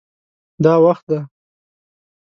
دا وخت دی